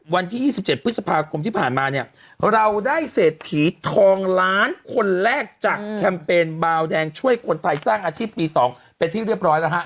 วันที่๒๗พฤษภาคมที่ผ่านมาเนี่ยเราได้เศรษฐีทองล้านคนแรกจากแคมเปญบาวแดงช่วยคนไทยสร้างอาชีพปี๒เป็นที่เรียบร้อยแล้วฮะ